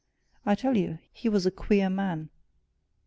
I tell you, he was a queer man."